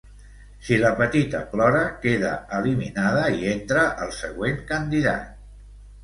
Si la petita plora, queda eliminada i entra el següent candidat.